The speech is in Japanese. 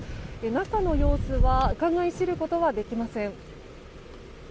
中の様子はうかがい知ることはできません。